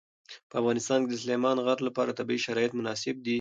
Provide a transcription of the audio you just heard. په افغانستان کې د سلیمان غر لپاره طبیعي شرایط مناسب دي.